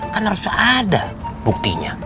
kan harus ada buktinya